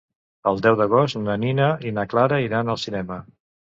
El deu d'agost na Nina i na Clara iran al cinema.